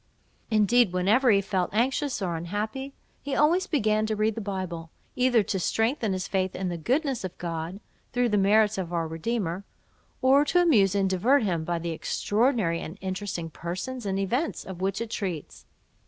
Indeed, whenever he felt anxious or unhappy, he always began to read the Bible, either to strengthen his faith in the goodness of God (through the merits of our Redeemer), or to amuse and divert him, by the extraordinary and interesting persons and events of which it treats.